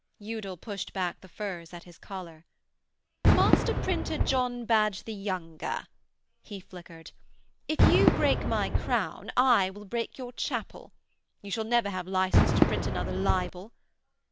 Udal pushed back the furs at his collar. 'Master Printer John Badge the Younger,' he flickered, 'if you break my crown I will break your chapel. You shall never have license to print another libel.